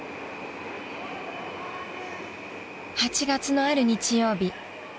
［８月のある日曜日